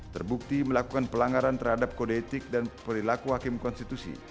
terbukti melakukan pelanggaran terhadap kode etik dan perilaku hakim konstitusi